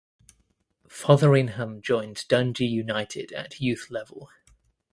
Fotheringham joined Dundee United at youth level.